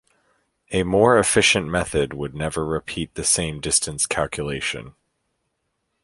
A more efficient method would never repeat the same distance calculation.